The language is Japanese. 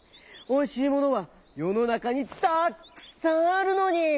おいしいものはよのなかにたっくさんあるのに！」。